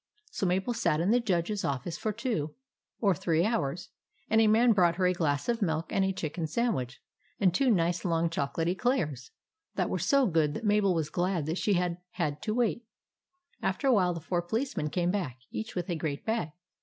So Mabel sat in the Judge's office for two REX PLAYS POLICEMAN 75 or three hours ; and a man brought her a glass of milk, and a chicken sandwich, and two nice long chocolate eclairs that were so good that Mabel was glad she had had to wait. After a while the four policemen came back, each with a great bag.